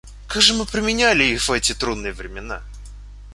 Как же мы применяли их в эти трудные времена?